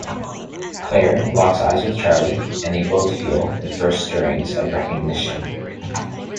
Claire locks eyes with Charlie, and they both feel the first stirrings of recognition.